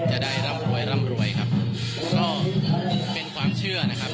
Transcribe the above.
ร่ำรวยร่ำรวยครับก็เป็นความเชื่อนะครับ